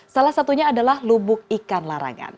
salah satunya adalah lubuk ikan larangan